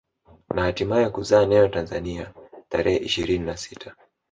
Na hatimae kuzaa neno Tanzania tarehe ishirina na sita